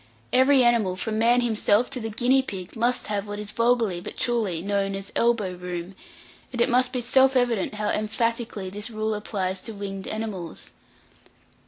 Every animal, from man himself to the guinea pig, must have what is vulgarly, but truly, known as "elbow room;" and it must be self evident how emphatically this rule applies to winged animals.